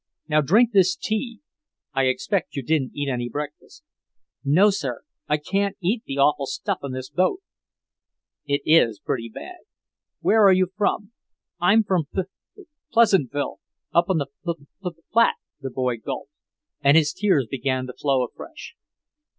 Now drink this tea. I expect you didn't eat any breakfast." "No, sir. I can't eat the awful stuff on this boat." "It is pretty bad. Where are you from?" "I'm from P P Pleasantville, up on the P P Platte," the boy gulped, and his tears began to flow afresh.